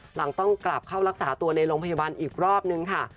หลังต้องกลับเข้ารักษาตัวในโรงพยาบาลอีกรอบนึงค่ะ